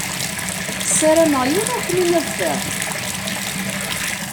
Sarameɣ yiwen ur kem-in-iḍfiṛ.